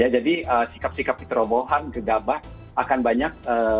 jadi sikap sikap keterobohan gegabah akan banyak